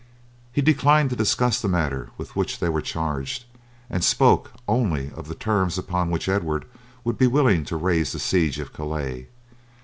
He declined to discuss the matter with which they were charged, and spoke only of the terms upon which Edward would be willing to raise the siege of Calais.